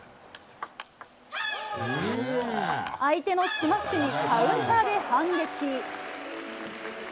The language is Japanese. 相手のスマッシュにカウンターで反撃。